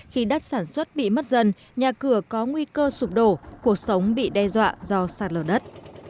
khi đất sản xuất bị mất dần nhà cửa có nguy cơ sụp đổ cuộc sống bị đe dọa do sạt lở đất